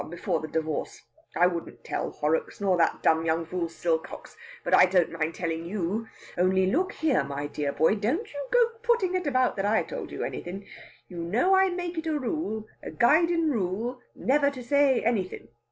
before the divorce. I wouldn't tell Horrocks, nor that dam young fool Silcox, but I don't mind tellin' you! Only, look here, my dear boy, don't you go puttin' it about that I told you anythin'. You know I make it a rule a guidin' rule never to say anythin'.